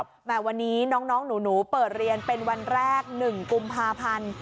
แหมวันนี้น้องหนูเปิดเรียนเป็นวันแรก๑กุมภาพันธ์